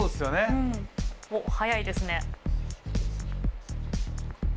うん。おっ早いですね。